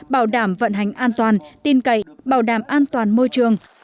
bảo đảm vận hành an toàn tin cậy bảo đảm an toàn môi trường